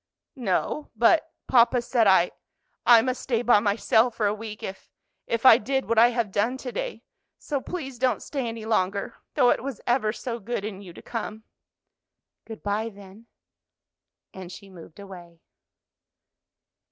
"No; but papa said I I must stay by myself for a week if if I did what I have done to day. So please don't stay any longer, though it was ever so good in you to come." "Good by, then," and she moved away.